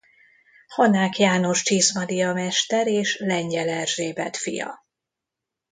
Hanák János csizmadia-mester és Lengyel Erzsébet fia.